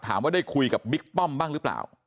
ได้คุยกับบิ๊กป้อมบ้างหรือเปล่า